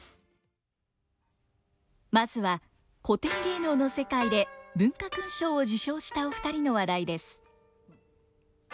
まずは古典芸能の世界で文化勲章を受章したお二人の話題です。